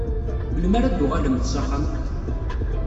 Melmi ara d-tuɣalemt s axxam?